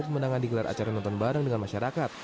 harus menangani gelar acara nonton bareng dengan masyarakat